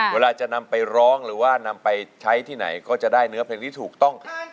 เวลาจะนำไปร้องหรือว่านำไปใช้ที่ไหนก็จะได้เนื้อเพลงที่ถูกต้อง